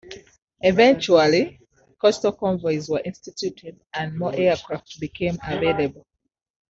Eventually, coastal convoys were instituted and more aircraft became available.